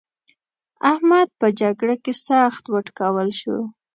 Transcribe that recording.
احمد په جګړه کې سخت وټکول شو.